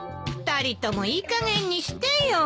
２人ともいいかげんにしてよ。